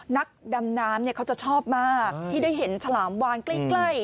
นักดำน้ำเขาจะชอบมากที่ได้เห็นฉลามวานใกล้